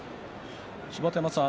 芝田山さん